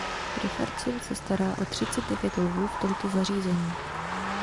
Richardson se stará o třicet devět lvů v tomto zařízení.